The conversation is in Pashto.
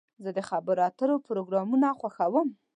زه د خبرو اترو پروګرامونه خوښوم.